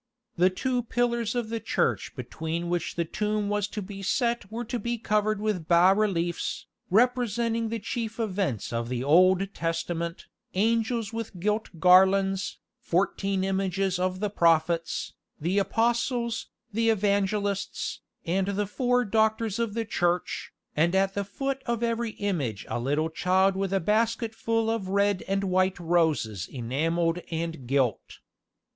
The two pillars of the church between which the tomb was to be set were to be covered with bas reliefs, representing the chief events of the Old Testament, angels with gilt garlands, fourteen images of the prophets, the apostles, the evangelists, and the four doctors of the Church, and at the foot of every image a little child with a basket full of red and white roses enamelled and gilt.